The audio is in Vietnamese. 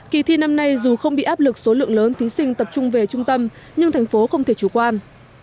kỳ thi năm nay dù không bị áp lực số lượng lớn thí sinh tập trung về trung tâm nhưng thành phố không thể chủ quan